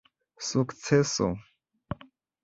sukceso